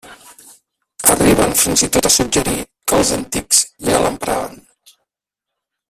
Arriben fins i tot a suggerir que els «antics» ja l'empraven.